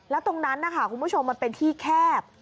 แล้วตรงนั้นนะคะคุณผู้ชมมันเป็นที่แคบ